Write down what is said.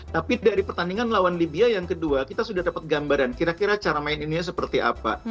tapi dari pertandingan lawan libya yang kedua kita sudah dapat gambaran kira kira cara main ininya seperti apa